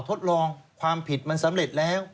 ทดลองความผิดมันสำเร็จแล้ว